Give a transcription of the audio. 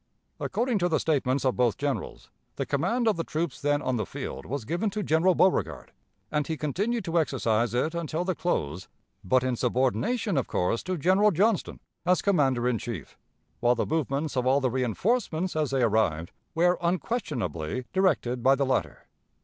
According to the statements of both generals, the command of the troops then on the field was given to General Beauregard, and he continued to exercise it until the close, but in subordination, of course, to General Johnston, as commander in chief, while the movements of all the reënforcements as they arrived were unquestionably directed by the latter.